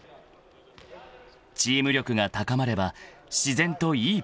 ［チーム力が高まれば自然といいプレーが生まれる］